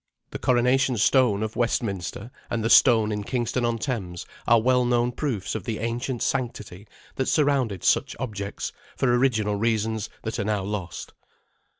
The Coronation Stone of Westminster and the stone in Kingston on Thames are well known proofs of the ancient sanctity that surrounded such objects for original reasons that are now lost.